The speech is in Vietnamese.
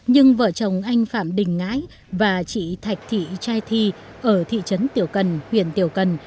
nhưng vợ chồng anh phạm đình ngãi và chị thạch thị trai thi ở thị trấn tiểu cần huyện tiểu cần